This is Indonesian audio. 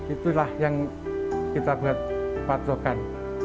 itulah yang kita buat patokan